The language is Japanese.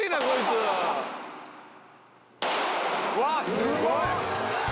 すごい。